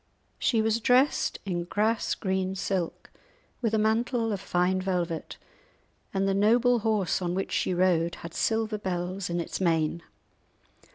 She was dressed in grass green silk, with a mantle of fine velvet, and the noble horse on which she rode had silver bells in its mane.